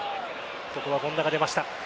ここは権田が出ました。